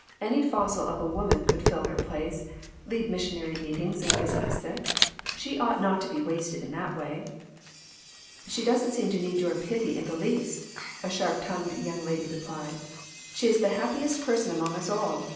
Any fossil of a woman could fill her place lead missionary meetings and visit the sick. She ought not to be wasted in that way." "She doesn't seem to need your pity in the least," a sharp tongued young lady replied ; "she is the happiest person among us all.